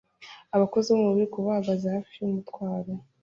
Abakozi bo mu bubiko bahagaze hafi yumutwaro